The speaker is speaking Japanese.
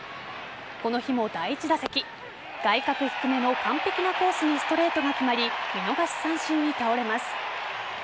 この日も第１打席外角低めの完璧なコースにストレートが決まり見逃し三振に倒れます。